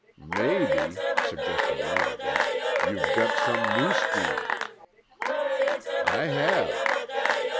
"Maybe," suggested Lonergan, "you've got some new scheme." "I have."